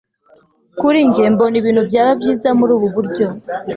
Kuri njye mbona ibintu byaba byiza muri ubu buryo